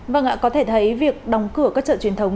vâng ạ có thể thấy việc đóng cửa các chợ truyền thống